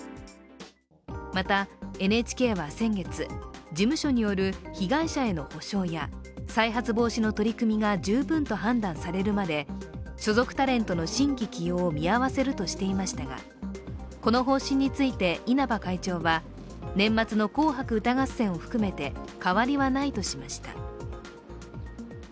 また、ＮＨＫは先月、事務所による被害者への補償や再発防止の取り組みが十分と判断されるまで所属タレントの新規起用を見合わせるとしていましたがこの方針について稲葉会長は年末の「紅白歌合戦」を含めて変わりはないとしました。